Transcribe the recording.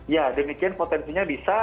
ya demikian potensinya bisa